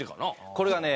これがね